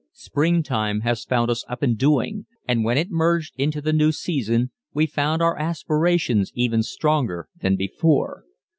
Springtime had found us up and doing and when it merged into the new season we found our aspirations even stronger than before.